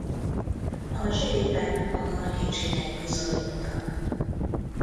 A zsilipek hamar kicsinek bizonyultak.